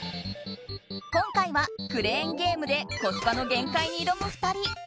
今回はクレーンゲームでコスパの限界に挑む２人。